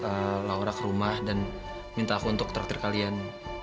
jadi laura ke rumah dan minta aku untuk traktir kalian